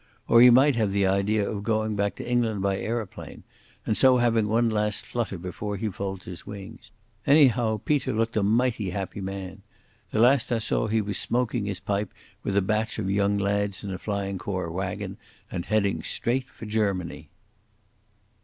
Or he might have the idea of going back to England by aeroplane, and so having one last flutter before he folds his wings. Anyhow, Peter looked a mighty happy man. The last I saw he was smoking his pipe with a batch of young lads in a Flying Corps waggon and heading straight for Germany."